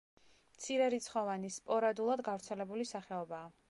მცირერიცხოვანი, სპორადულად გავრცელებული სახეობაა.